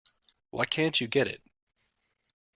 Why can't you get it?